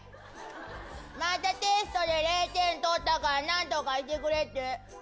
またテストで０点取ったから、なんとかしてくれって？